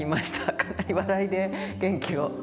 かなり笑いで元気を。